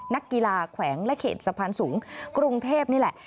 นักกีฬาแขวงและเขตสะพานสูงกรุงเทพนี่แหละ